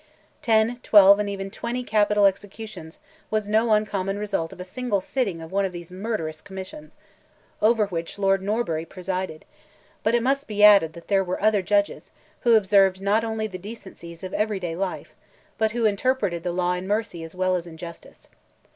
Ten, twelve, and even twenty capital executions was no uncommon result of a single sitting of one of those murderous commissions, over which Lord Norbury presided; but it must be added that there were other judges, who observed not only the decencies of everyday life, but who interpreted the law in mercy as well as in justice.